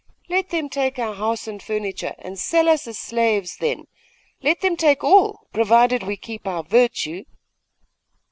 'Let them take our house and furniture, and sell us as slaves, then. Let them take all, provided we keep our virtue.